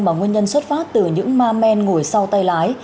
mà nguyên nhân xuất phát từ những ma men ngồi sau tay lái